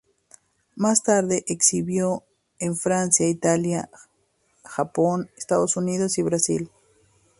Más tarde exhibió en Francia, Italia, Japón, Estados Unidos y Brasil.